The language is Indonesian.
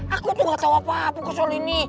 aku tuh gak tau apa apa soal ini